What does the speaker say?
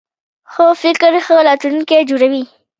ښه فکر ښه راتلونکی جوړوي.